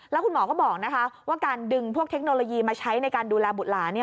แล้วคุณหมอก็บอกว่าการดึงพวกเทคโนโลยีมาใช้ในการดูแลบุตรหลาน